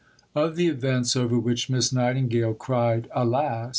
II Of the events over which Miss Nightingale cried alas!